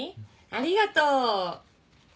ありがとう。